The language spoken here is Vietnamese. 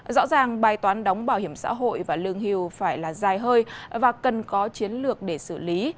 rõ ràng bài toán đóng bảo hiểm xã hội và lương hưu phải là dài hơi và cần có chiến lược để xử lý